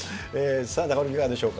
さあ中丸君、いかがでしょうか。